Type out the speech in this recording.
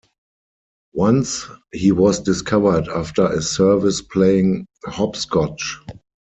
Once he was discovered after a service playing hopscotch.